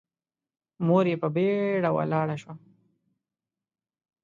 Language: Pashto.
مور يې په بيړه ولاړه شوه.